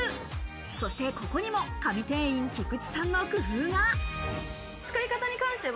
そしてここにも神店員・菊池さんの工夫が。